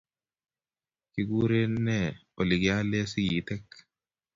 Kigureen ne olegiale sagitek?